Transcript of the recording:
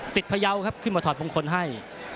พยาวครับขึ้นมาถอดมงคลให้